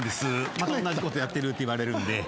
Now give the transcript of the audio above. また同じことやってるって言われるんで。